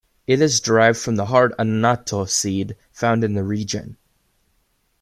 It is derived from the hard annatto seed found in the region.